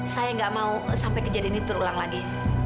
saya nggak mau sampai kejadian ini terulang lagi